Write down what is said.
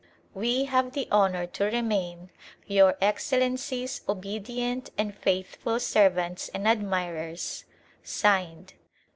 We have the Honour to Remain Your Excellency's Obedient and faithful Servants and Admirers (Signed) C.